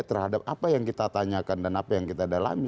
terhadap apa yang kita tanyakan dan apa yang kita dalami